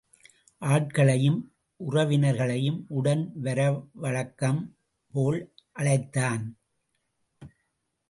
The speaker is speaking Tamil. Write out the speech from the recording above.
ஆட்களையும் உறவினர்களையும் உடன் வர வழக்கம் போல் அழைத்தான்.